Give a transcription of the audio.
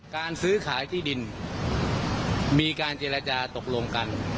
การซื้อขายที่ดินมีการเจรจาตกลงกัน